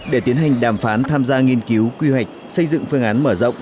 để tiến hành đàm phán tham gia nghiên cứu quy hoạch xây dựng phương án mở rộng